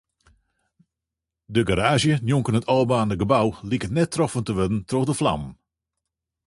De garaazje njonken it ôfbaarnde gebou liket net troffen te wurden troch de flammen.